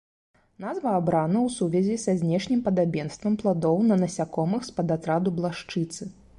Назва абрана ў сувязі са знешнім падабенствам пладоў на насякомых з падатраду блашчыцы.